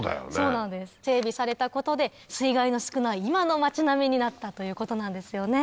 整備されたことで水害の少ない今の町並みになったということなんですよね。